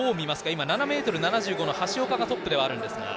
今、７ｍ７５の橋岡がトップではありますが。